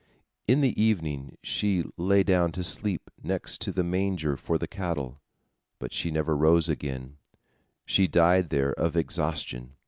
In the evening she lay down to sleep next to the manger for the cattle, but she never rose again, she died there of exhaustion.